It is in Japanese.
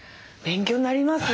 勉強になります。